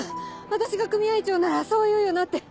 私が組合長ならそう言うよなって。